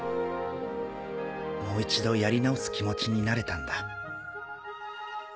もう一度やり直す気持ちになれたんだ。